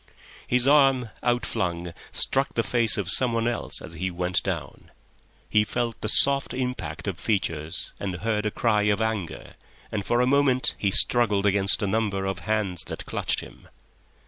His arm, outflung, struck the face of someone else as he went down; he felt the soft impact of features and heard a cry of anger, and for a moment he struggled against a number of hands that clutched him.